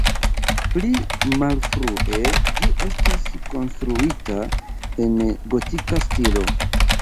Pli malfrue ĝi estis rekonstruita en gotika stilo.